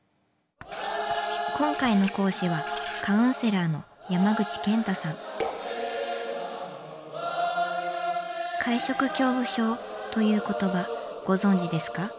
今回の講師はカウンセラーの会食恐怖症という言葉ご存じですか？